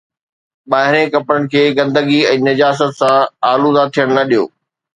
ٻاهرين ڪپڙن کي گندگي ۽ نجاست سان آلوده ٿيڻ نه ڏيو